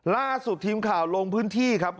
ล่าสุดทีมข่าวลงพื้นที่ครับคุณผู้ชม